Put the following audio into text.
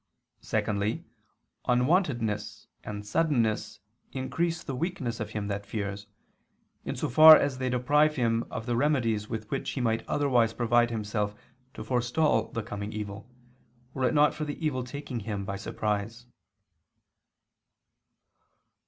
Secondly, unwontedness and suddenness increase the weakness of him that fears, in so far as they deprive him of the remedies with which he might otherwise provide himself to forestall the coming evil, were it not for the evil taking him by surprise.